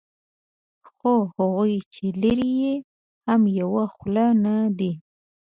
خو هغوی چې لري یې هم یوه خوله نه دي.